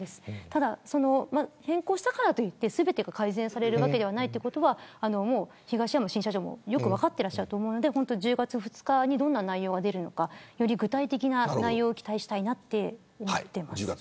ただ、変更したからといって全てが改善されるわけではないということは東山新社長もよく分かっていると思うので１０月２日にどんな内容が出るのかより具体的な内容を期待したいと思います。